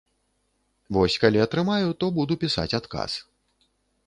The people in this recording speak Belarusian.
Вось калі атрымаю, то буду пісаць адказ.